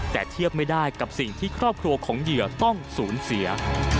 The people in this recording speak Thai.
แต่เทียบไม่ได้กับสิ่งที่ครอบครัวของเหยื่อต้องสูญเสีย